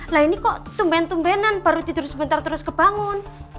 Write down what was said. nah ini kok tumben tumbenan baru tidur sebentar terus kebangun